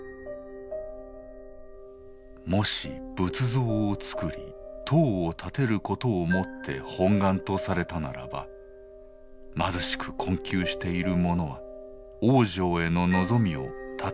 「もし仏像を作り塔を建てることをもって本願とされたならば貧しく困窮している者は往生への望みを絶つことになってしまう。